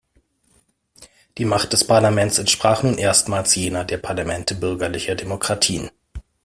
Die Macht des Parlaments entsprach nun erstmals jener der Parlamente bürgerlicher Demokratien.